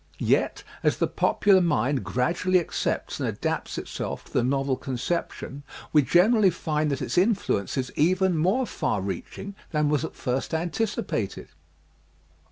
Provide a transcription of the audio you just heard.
Yet as the popular mind gradually accepts and adapts itself to the novel con 102 EASY LESSONS IN EINSTEIN ception we generally find that its influence is even more far reaching than was at first anticipated.